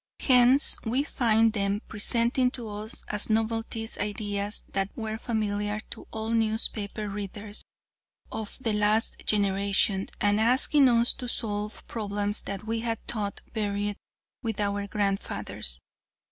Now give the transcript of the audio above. Whence we find them presenting to us as novelties ideas that were familiar to all newspaper readers of the last generation and asking us to solve problems that we had thought buried with our grandfathers.